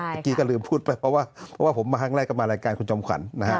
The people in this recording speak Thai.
เมื่อกี้ก็ลืมพูดไปเพราะว่าเพราะว่าผมมาครั้งแรกก็มารายการคุณจอมขวัญนะฮะ